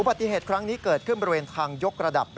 ปฏิเหตุครั้งนี้เกิดขึ้นบริเวณทางยกระดับ